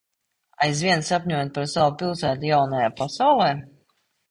Arvien sapņojat par savu pilsētu Jaunajā Pasaulē?